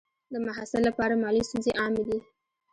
د محصل لپاره مالي ستونزې عامې دي.